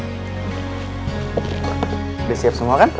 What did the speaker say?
udah siap semua kan